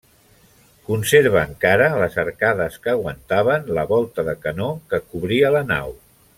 Conserva encara les arcades que aguantaven la volta de canó que cobria la nau.